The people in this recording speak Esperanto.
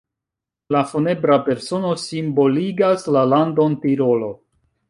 La funebra persono simboligas la landon Tirolo.